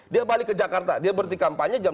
dia balik ke jakarta dia berhenti kampanye jam empat